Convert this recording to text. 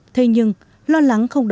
thế nhưng lo lắng không đủ